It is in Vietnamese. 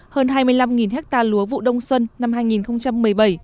hơn hai mươi năm hectare lúa vụ đông xuân năm hai nghìn một mươi bảy